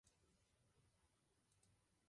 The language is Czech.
Leží východně od města Vyškov.